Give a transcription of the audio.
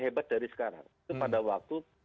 hebat dari sekarang itu pada waktu